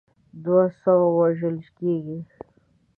دوه سوه وژل کیږي.